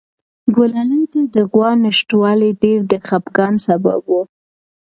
ګلالۍ ته د غوا نشتوالی ډېر د خپګان سبب و.